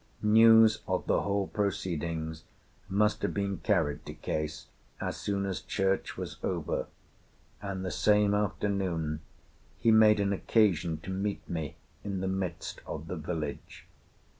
"News of the whole proceedings must have been carried to Case as soon as church was over, and the same afternoon he made an occasion to meet me in the midst of the village.